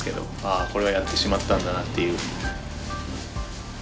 「あこれはやってしまったんだな」っていう。